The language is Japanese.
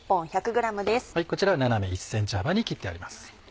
こちらは斜め１ｃｍ幅に切ってあります。